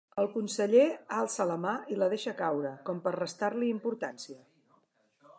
El conseller alça la mà i la deixa caure, com per restar-li importància.